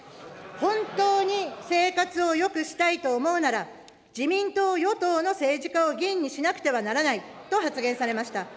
本当に生活をよくしたいと思うなら、自民党、与党の政治家を議員にしなくてはならないと発言されました。